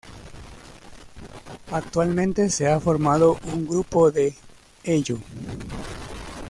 Actualmente se ha formado un grupo de Hello!